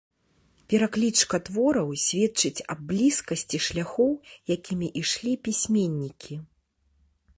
Пераклічка твораў сведчыць аб блізкасці шляхоў, якімі ішлі пісьменнікі.